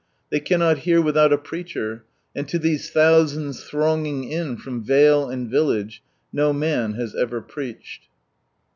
They cannot hear without a preacher, and to these thousands thronging in from vale and village, no man has ever preached.